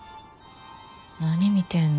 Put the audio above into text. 何見てんの？